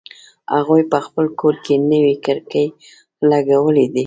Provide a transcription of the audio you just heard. هغوی په خپل کور کی نوې کړکۍ لګولې دي